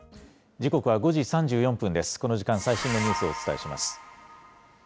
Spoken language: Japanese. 時刻は５時３４分です、この時間、最新のニュースをお伝えします。